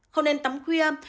không nên tắm khuya